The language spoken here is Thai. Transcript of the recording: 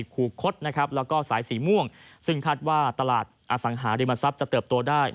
คู่คดนะครับแล้วก็สายสีม่วงซึ่งคาดว่าตลาดอสังหาริมทรัพย์จะเติบโตได้